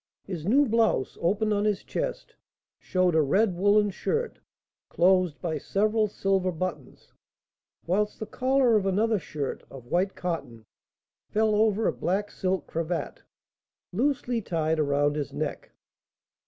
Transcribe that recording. His new blouse, open on his chest, showed a red woollen shirt, closed by several silver buttons; whilst the collar of another shirt, of white cotton, fell over a black silk cravat, loosely tied around his neck.